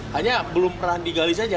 hanya belum pernah digali saja